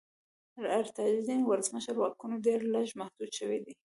د ارجنټاین د ولسمشر واکونه ډېر لږ محدود شوي دي.